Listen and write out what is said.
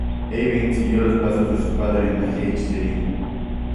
Eyvind siguió los pasos de su padre en magia y hechicería.